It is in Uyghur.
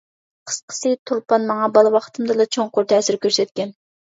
قىسقىسى، تۇرپان ماڭا بالا ۋاقتىمدىلا چوڭقۇر تەسىر كۆرسەتكەن.